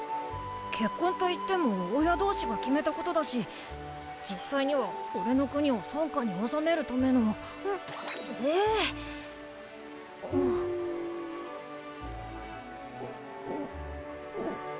結婚といっても親同士が決めたことだし実際には俺の国を傘下に収めるためのううう